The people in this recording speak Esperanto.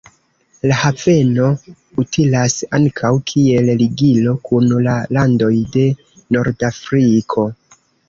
La haveno utilas ankaŭ kiel ligilo kun la landoj de Nordafriko.